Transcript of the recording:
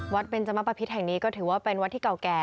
เบนจมปภิษแห่งนี้ก็ถือว่าเป็นวัดที่เก่าแก่